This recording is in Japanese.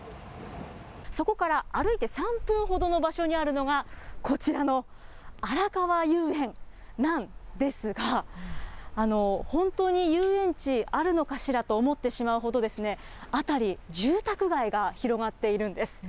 そこから歩いて３分ほどの場所にあるのが、こちらのあらかわ遊園なんですが、本当に遊園地あるのかしらと思ってしまうほど、辺り、住宅街が広がっているんです。